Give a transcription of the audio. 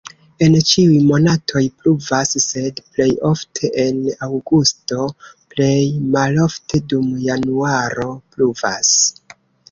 En ĉiuj monatoj pluvas, sed plej ofte en aŭgusto, plej malofte dum januaro pluvas.